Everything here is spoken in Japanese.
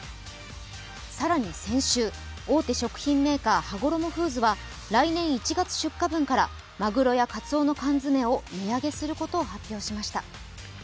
更に、先週、大手食品メーカーはごろもフーズが来年１月出荷分からまぐろやかつおの缶詰を値上げすることを発表しました。